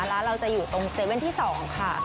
ร้านเราจะอยู่ตรง๗๑๑ที่๒ค่ะ